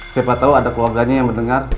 siapa tahu ada keluarganya yang mendengar